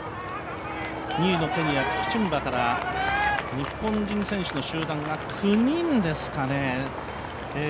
２位のケニア、キプチュンバから日本人選手の集団が９人ですかね。